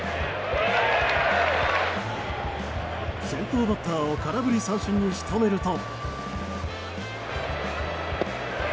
先頭バッターを空振り三振に仕留めると。